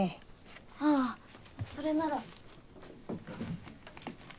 ああそれなら。